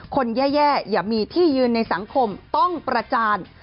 คนแย่อย่ามีที่ยืนในสังคมต้องประจาน